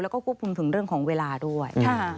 แล้วก็ควบคุมถึงเรื่องของเวลาด้วย